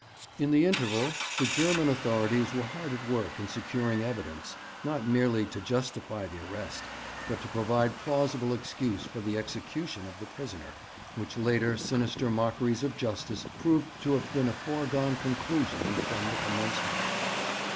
In the interval the German authorities were hard at work in securing evidence, not merely to justify the arrest, but to provide plausible excuse for the execution of the prisoner, which later sinister mockeries of justice proved to have been a foregone conclusion from the commencement.